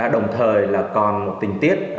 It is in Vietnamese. đồng thời là còn tình tiết